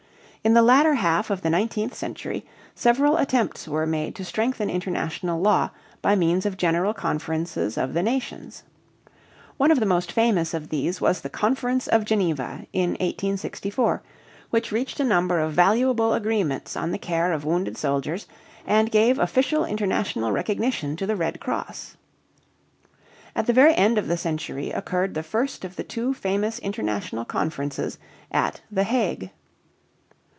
In the latter half of the nineteenth century several attempts were made to strengthen international law by means of general conferences of the nations. One of the most famous of these was the Conference of Geneva in 1864, which reached a number of valuable agreements on the care of wounded soldiers and gave official international recognition to the Red Cross. At the very end of the century occurred the first of the two famous international conferences at The Hague.